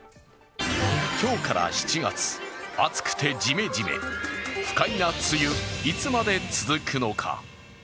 今日から７月、暑くてジメジメ不快な梅雨、いつまで続くのか。